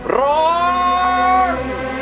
ร้อง